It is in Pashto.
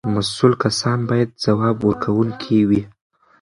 مسؤل کسان باید ځواب ورکوونکي وي.